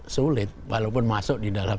sulit walaupun masuk di dalam